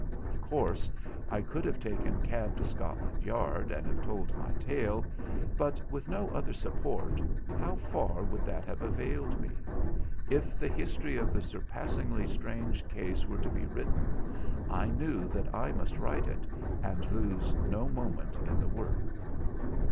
Of course, I could have taken cab to Scotland Yard, and have told my tale; but with no other support, how far would that have availed me? If the history of the surpassingly strange case were to be written, I knew that I must write it, and lose no moment in the work.